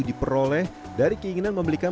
diperoleh dari keinginan membelikan